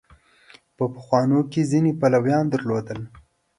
په پخوانو کې ځینې پلویان درلودل.